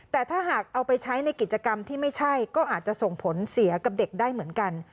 แต่ถ้าหากเอาไปใช้ในกิจกรรมที่ไม่ใช่ก็อาจจะส่งผลเสียกับเด็กได้เหมือนกัน